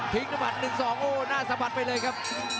ทิ้งด้วยหมัดหนึ่งสองโอ้โหหน้าสะพัดไปเลยครับ